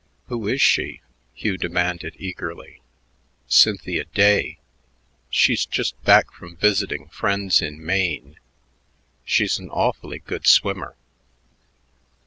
"Who is she?" Hugh demanded eagerly. "Cynthia Day. She's just back from visiting friends in Maine. She's an awfully good swimmer.